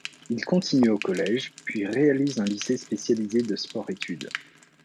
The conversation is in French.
Il continue au collège, puis réalise un lycée spécialisé de sport étude.